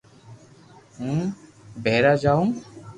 ھون ڀارآ جاُو